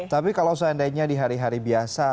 tapi kalau seandainya di hari hari biasa